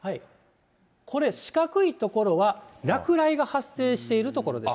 これ、四角い所は落雷が発生している所です。